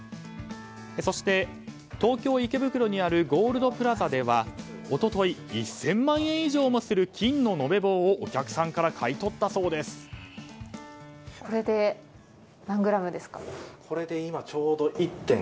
そして東京・池袋にあるゴールドプラザでは一昨日、１０００万円以上もする金の延べ棒をお客さんから買い取ったそうです。